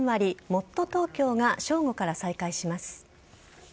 もっとＴｏｋｙｏが正午から再開します。